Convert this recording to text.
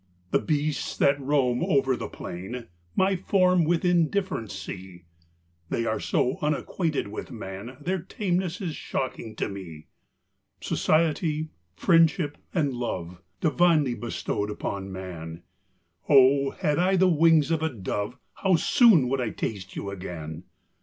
The beasts that roam over the plain, My form with indifference see; They are so unacquainted with man, Their tameness is shocking to me. Society, friendship, and love, Divinely bestowed upon man, 503 THE BOOK OF Oh, had I the wings of a dove, How soon would I taste you again